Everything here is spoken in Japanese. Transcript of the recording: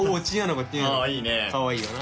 かわいいよな。